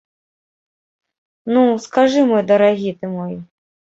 Ну, скажы, мой дарагі, ты мой?